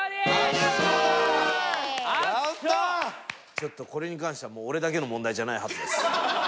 ちょっとこれに関しては俺だけの問題じゃないはずです。